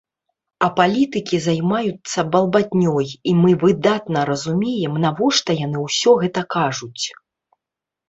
А палітыкі займаюцца балбатнёй, і мы выдатна разумеем, навошта яны ўсё гэта кажуць.